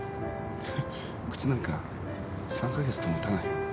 靴なんか３か月ともたない。